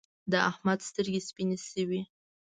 د احمد سترګې سپينې شوې.